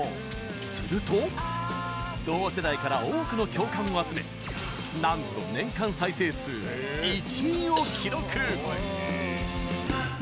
すると同世代から多くの共感を集めなんと年間再生数１位を記録。